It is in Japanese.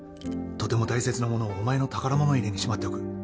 とても大切なものをお前の宝物入れにしまっておく